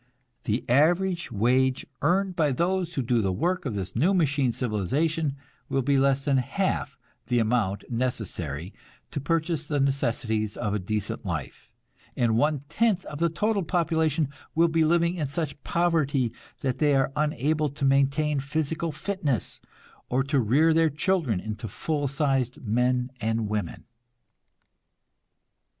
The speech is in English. The average wage earned by those who do the work of this new machine civilization will be less than half the amount necessary to purchase the necessities of a decent life, and one tenth of the total population will be living in such poverty that they are unable to maintain physical fitness, or to rear their children into full sized men and women."